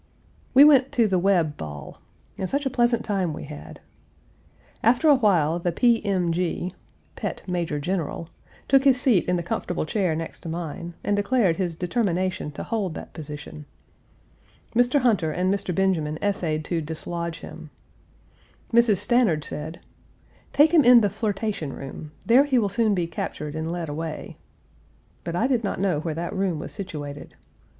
We went to the Webb ball, and such a pleasant time we had. After a while the P. M. G. (Pet Major General) took his seat in the comfortable chair next to mine, and declared his determination to hold that position. Mr. Hunter and Mr. Benjamin essayed to dislodge him. Mrs. Stanard said: "Take him in the flirtation room; there he will soon be captured and led away," but I did not know where that room was situated.